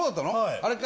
あれか？